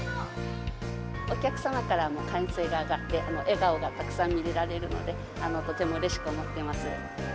お客様からも歓声が上がって、笑顔がたくさん見られるので、とてもうれしく思っています。